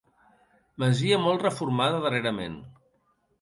Masia molt reformada darrerament.